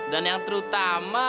dan yang terutama